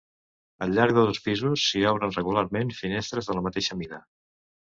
Al llarg de dos pisos s'hi obren, regularment, finestres de la mateixa mida.